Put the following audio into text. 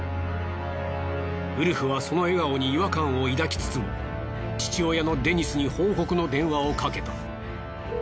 ウルフはその笑顔に違和感を抱きつつも父親のデニスに報告の電話をかけた。